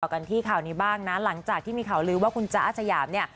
กันที่ข่าวนี้บ้างนะหลังจากที่มีข่าวลือว่าคุณจ๊ะอาสยามเนี่ย